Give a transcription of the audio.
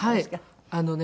あのね